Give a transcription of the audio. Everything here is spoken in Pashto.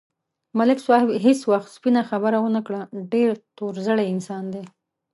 ملک صاحب هېڅ وخت سپینه خبره و نه کړه، ډېر تور زړی انسان دی.